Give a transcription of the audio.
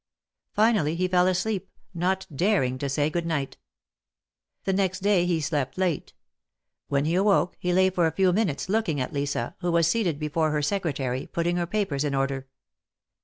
Finally he fell asleep, not daring to say good night. The next day he slept late. When he awoke, he lay for a few minutes looking at Lisa, who was seated before her Secretary, putting her papers in order.